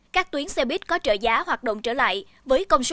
các tuyến xe buýt có trợ giá hoạt động trở lại với công số